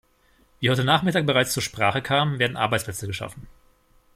Wie heute Nachmittag bereits zur Sprache kam, werden Arbeitsplätze geschaffen.